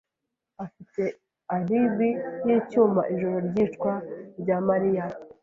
afite alibi yicyuma ijoro ryicwa rya Mariya.